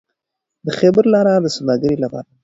د خیبر لاره د سوداګرۍ لپاره ده.